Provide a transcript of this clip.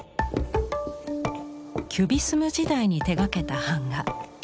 キュビスム時代に手がけた版画。